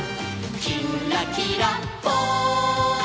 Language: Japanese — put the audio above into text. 「きんらきらぽん」